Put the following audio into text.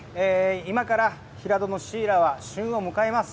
今から平戸のシイラは旬を迎えます。